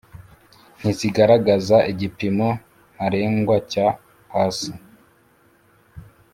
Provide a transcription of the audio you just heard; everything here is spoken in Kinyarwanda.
ntizigaragaza igipimo ntarengwa cyo hasi